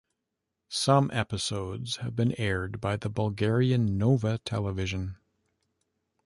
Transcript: Some episodes have been aired by the Bulgarian Nova Television.